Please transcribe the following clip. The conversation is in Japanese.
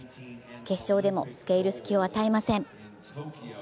決勝でも付け入る隙を与えません。